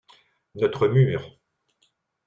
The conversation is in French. Notre mur.